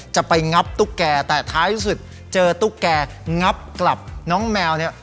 จะไปงับตุ๊กแก่แต่ท้ายที่สุดเจอตุ๊กแกงับกลับน้องแมวเนี่ย